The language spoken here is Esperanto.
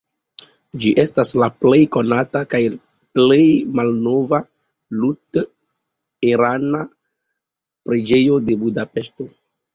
Ĝi estas la plej konata kaj plej malnova luterana preĝejo de Budapeŝto.